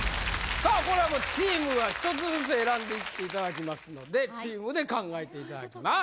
これはもうチームが１つずつ選んでいっていただきますのでチームで考えていただきます